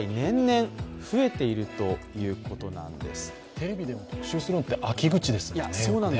テレビでも特集するのって秋口ですよね。